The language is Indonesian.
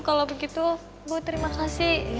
kalau begitu bu terima kasih